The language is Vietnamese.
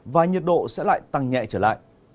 và nhiệt độ sẽ lại tăng nhẹ trở lại